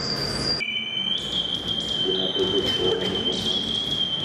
Jehapejoko ha ñepohãno.